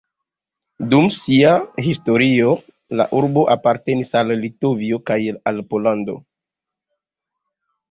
Dum sia historio la urbo apartenis al Litovio kaj al Pollando.